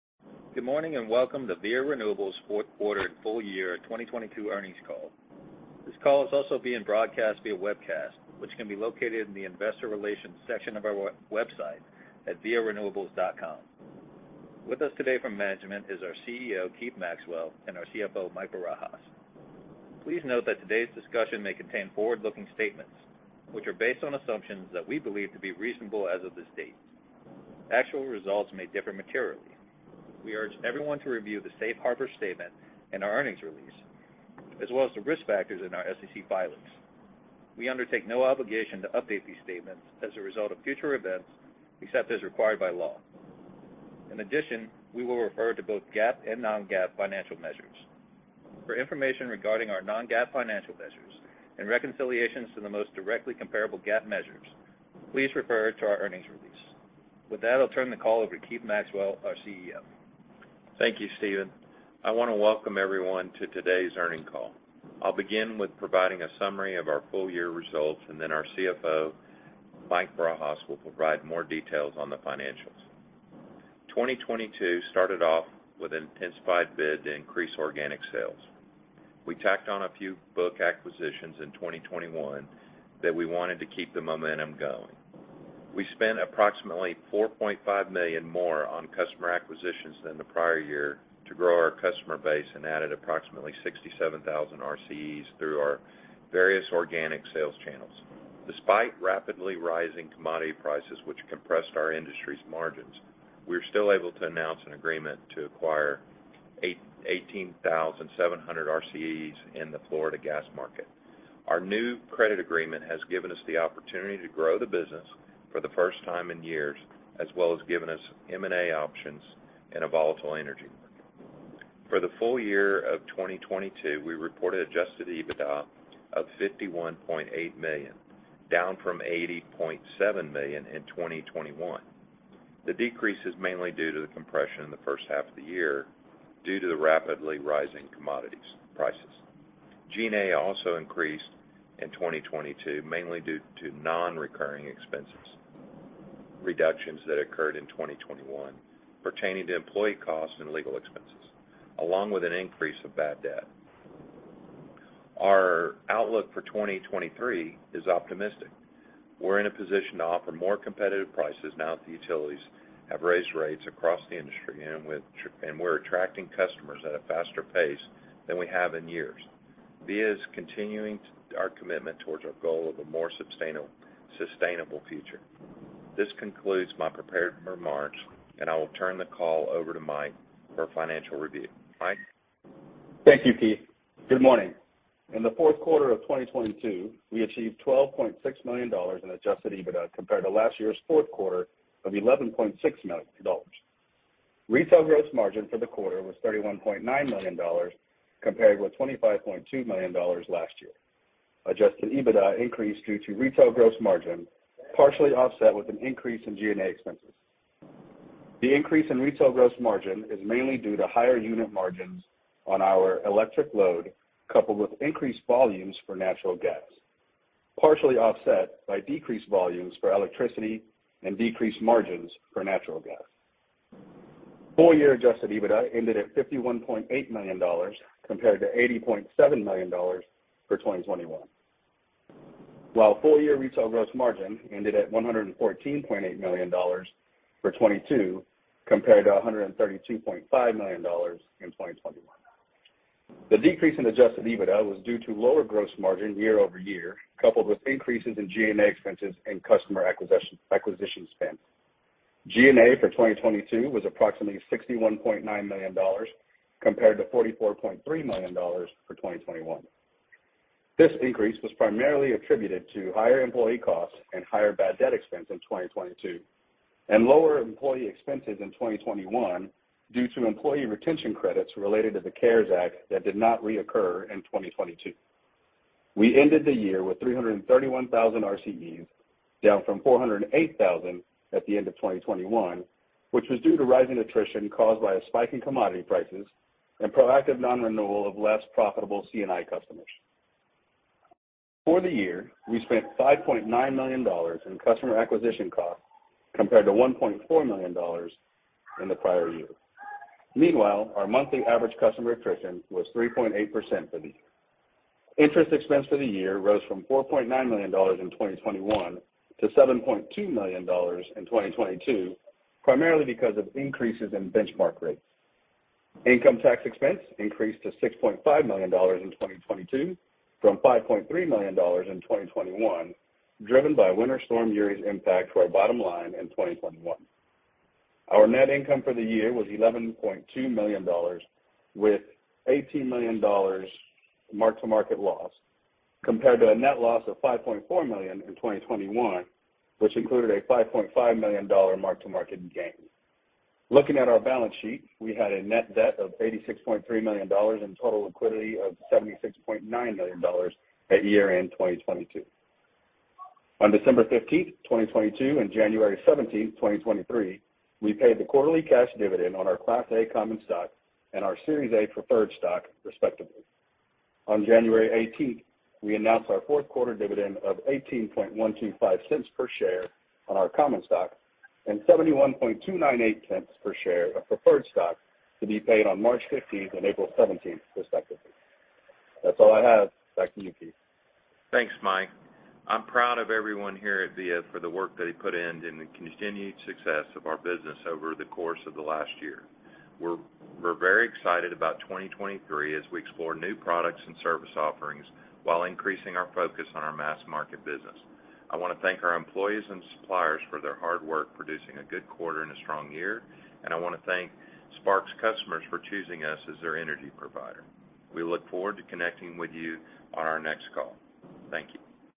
Welcome to Via Renewables Fourth Quarter and Full Year 2022 Earnings Call. This call is also being broadcast via webcast, which can be located in the Investor Relations section of our website at viarenewables.com. With us today from management is our CEO, Keith Maxwell, and our CFO, Mike Barajas. Please note that today's discussion may contain forward-looking statements which are based on assumptions that we believe to be reasonable as of this date. Actual results may differ materially. We urge everyone to review the safe harbor statement in our earnings release, as well as the risk factors in our SEC filings. We undertake no obligation to update these statements as a result of future events except as required by law. In addition, we will refer to both GAAP and non-GAAP financial measures. For information regarding our non-GAAP financial measures and reconciliations to the most directly comparable GAAP measures, please refer to our earnings release. With that, I'll turn the call over to Keith Maxwell, our CEO. Thank you, Steven. I wanna welcome everyone to today's earnings call. I'll begin with providing a summary of our full year results, and then our CFO, Mike Barajas, will provide more details on the financials. 2022 started off with an intensified bid to increase organic sales. We tacked on a few book acquisitions in 2021 that we wanted to keep the momentum going. We spent approximately $4.5 million more on customer acquisitions than the prior year to grow our customer base and added approximately 67,000 RCEs through our various organic sales channels. Despite rapidly rising commodity prices, which compressed our industry's margins, we were still able to announce an agreement to acquire 818,700 RCEs in the Florida gas market. Our new credit agreement has given us the opportunity to grow the business for the first time in years, as well as given us M&A options in a volatile energy market. For the full year of 2022, we reported Adjusted EBITDA of $51.8 million, down from $80.7 million in 2021. The decrease is mainly due to the compression in the first half of the year due to the rapidly rising commodities prices. G&A also increased in 2022, mainly due to non-recurring expenses, reductions that occurred in 2021 pertaining to employee costs and legal expenses, along with an increase of bad debt. Our outlook for 2023 is optimistic. We're in a position to offer more competitive prices now that the utilities have raised rates across the industry, and we're attracting customers at a faster pace than we have in years. Via is continuing our commitment towards our goal of a more sustainable future. This concludes my prepared remarks. I will turn the call over to Mike for a financial review. Mike? Thank you, Keith. Good morning. In the fourth quarter of 2022, we achieved $12.6 million in Adjusted EBITDA compared to last year's fourth quarter of $11.6 million. Retail Gross Margin for the quarter was $31.9 million compared with $25.2 million last year. Adjusted EBITDA increased due to Retail Gross Margin, partially offset with an increase in G&A expenses. The increase in Retail Gross Margin is mainly due to higher unit margins on our electric load, coupled with increased volumes for natural gas, partially offset by decreased volumes for electricity and decreased margins for natural gas. Full year Adjusted EBITDA ended at $51.8 million, compared to $80.7 million for 2021. While full year Retail Gross Margin ended at $114.8 million for 2022, compared to $132.5 million in 2021. The decrease in Adjusted EBITDA was due to lower gross margin year-over-year, coupled with increases in G&A expenses and customer acquisition spend. G&A for 2022 was approximately $61.9 million, compared to $44.3 million for 2021. This increase was primarily attributed to higher employee costs and higher bad debt expense in 2022, and lower employee expenses in 2021 due to employee retention credits related to the CARES Act that did not reoccur in 2022. We ended the year with 331,000 RCEs, down from 408,000 at the end of 2021, which was due to rising attrition caused by a spike in commodity prices and proactive non-renewal of less profitable C&I customers. For the year, we spent $5.9 million in customer acquisition costs, compared to $1.4 million in the prior year. Meanwhile, our monthly average customer attrition was 3.8% for the year. Interest expense for the year rose from $4.9 million in 2021 to $7.2 million in 2022, primarily because of increases in benchmark rates. Income tax expense increased to $6.5 million in 2022 from $5.3 million in 2021, driven by Winter Storm Uri's impact to our bottom line in 2021. Our net income for the year was $11.2 million, with $18 million mark-to-market loss, compared to a net loss of $5.4 million in 2021, which included a $5.5 million mark-to-market gain. Looking at our balance sheet, we had a net debt of $86.3 million and total liquidity of $76.9 million at year-end 2022. On December 15th, 2022 and January 17th, 2023, we paid the quarterly cash dividend on our Class A common stock and our Series A preferred stock, respectively. On January 18th, we announced our fourth quarter dividend of $0.18125 per share on our common stock and $0.71298 per share of preferred stock to be paid on March 15th and April 17th respectively. That's all I have. Back to you, Keith. Thanks, Mike. I'm proud of everyone here at Via for the work that he put in, and the continued success of our business over the course of the last year. We're very excited about 2023 as we explore new products and service offerings while increasing our focus on our mass market business. I wanna thank our employees and suppliers for their hard work producing a good quarter and a strong year, and I wanna thank Spark customers for choosing us as their energy provider. We look forward to connecting with you on our next call. Thank you.